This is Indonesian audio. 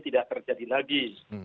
tidak terjadi lagi